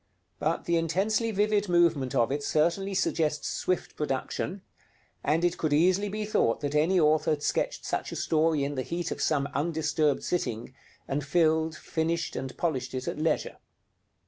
But the intensely vivid movement of it certainly suggests swift production; and it could easily be thought that any author had sketched such a story in the heat of some undisturbed sitting, and filled, finished, and polished it at leisure.